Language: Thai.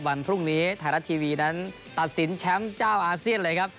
วันพรุ่งนี้ไทยรัฐทีวีนั้นตัดสินแชมป์เจ้าอาเซียนเลยครับ